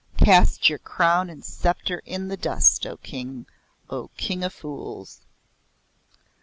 Cast your crown and sceptre in the dust, O King O King of Fools."